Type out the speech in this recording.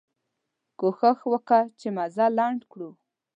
کوښښ مو کوه چې مزل لنډ کړو.